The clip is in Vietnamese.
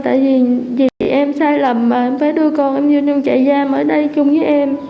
tại vì em sai lầm mà em phải đưa con em về xã hội